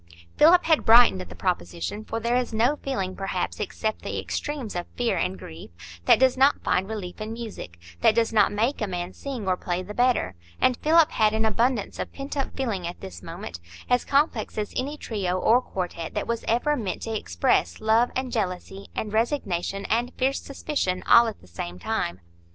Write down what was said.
Philip had brightened at the proposition, for there is no feeling, perhaps, except the extremes of fear and grief, that does not find relief in music,—that does not make a man sing or play the better; and Philip had an abundance of pent up feeling at this moment, as complex as any trio or quartet that was ever meant to express love and jealousy and resignation and fierce suspicion, all at the same time.